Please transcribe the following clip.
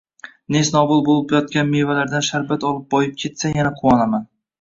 nest-nobud bo’lib yotgan mevalardan sharbat olib boyib ketsa, yana quvonaman.